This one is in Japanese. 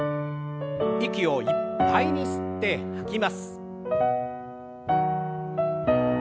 息をいっぱいに吸って吐きます。